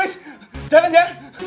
ruiz jangan ya